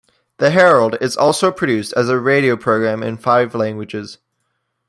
"The Herald" is also produced as a radio program in five languages.